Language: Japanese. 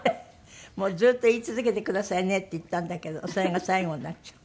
「もうずーっと言い続けてくださいね」って言ったんだけどそれが最後になっちゃった。